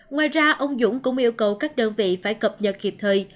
ngoài ra ông dũng cũng yêu cầu các đơn vị phải cập nhật kịp thời